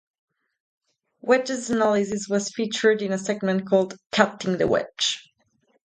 Wedge's analysis was featured in a segment called "Cutting The Wedge".